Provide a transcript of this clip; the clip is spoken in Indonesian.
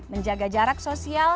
menjaga jarak sosial